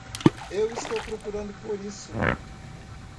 Eu estou procurando por isso.